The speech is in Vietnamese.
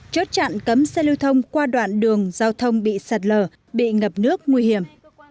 chốt chặn cấm xe lưu thông qua đoạn đường giao thông bị sạt lở bị ngập nước nguy hiểm